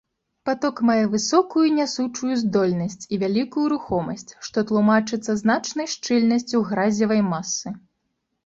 Паток мае высокую нясучую здольнасць і вялікую рухомасць, што тлумачыцца значнай шчыльнасцю гразевай масы.